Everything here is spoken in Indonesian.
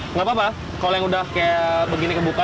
nggak apa apa kalau yang udah kayak begini kebuka